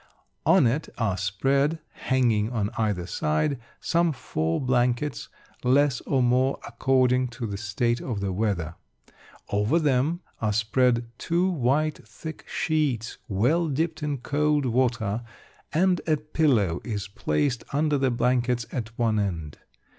On it are spread (hanging on either side) some four blankets, less or more according to the state of the weather. Over them are spread two white thick sheets well dipped in cold water, and a pillow is placed under the blankets at one end.